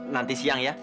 nanti siang ya